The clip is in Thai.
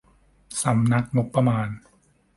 สำนักงบประมาณ